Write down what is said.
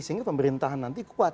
sehingga pemerintahan nanti kuat